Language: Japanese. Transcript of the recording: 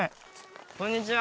こんにちは。